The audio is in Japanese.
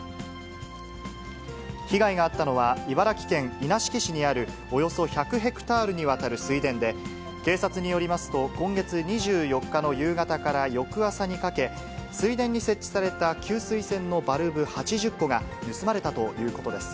被害があったのは、茨城県稲敷市にあるおよそ１００ヘクタールにわたる水田で、警察によりますと、今月２４日の夕方から翌朝にかけ、水田に設置された給水栓のバルブ８０個が盗まれたということです。